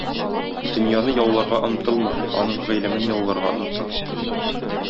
Дөньяны яуларга омтылма, аның гыйлемен яуларга омтыл.